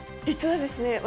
実はですね